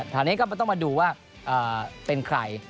คราวนี้ก็ต้องมาดูว่าเป็นใคร